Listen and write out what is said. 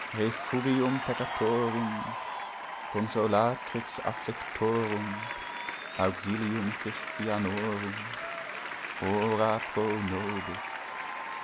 'Refugium peccatorum, Consolatrix afflictorum, Auxilium Christianorum, Ora pro nobis!'